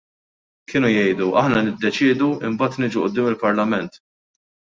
Kienu jgħidu: Aħna niddeċiedu mbagħad niġu quddiem il-Parlament.